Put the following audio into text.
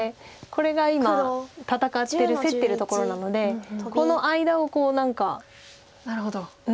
これが今戦ってる競ってるところなのでこの間を何か抜けていくような。